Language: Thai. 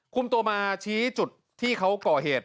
คุมตัวมาชี้จุดที่เขาก่อเหตุ